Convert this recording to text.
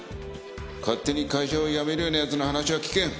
勝手に会社を辞めるような奴の話は聞けん。